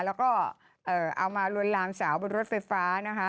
แล้วก็เอามาลวนลามสาวบนรถไฟฟ้านะคะ